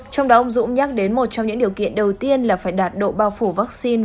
trong đó ông dũng nhắc đến một trong những điều kiện đầu tiên là phải đạt độ bao phủ vaccine